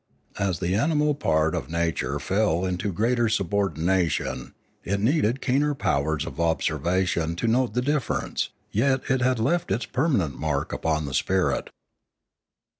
As the animal part of the nature fell into greater subordination, it needed keener powers of observation to note the differ ence; yet it had left its permanent mark upon the spirit.